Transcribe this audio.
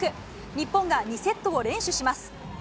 日本が２セットを連取します。